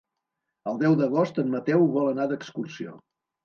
El deu d'agost en Mateu vol anar d'excursió.